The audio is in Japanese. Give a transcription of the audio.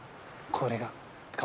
これが。